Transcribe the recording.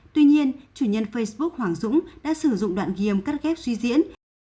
tuy nhiên chủ nhân facebook hoàng dũng đã sử dụng đoạn ghi âm cắt ghép suy diễn